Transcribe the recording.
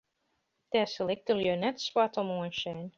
Dêr sil ik de lju net swart om oansjen.